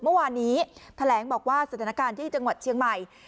เมื่อวานนี้แถลงบอกว่าสถานการณ์ที่จังหวัดเชียงใหม่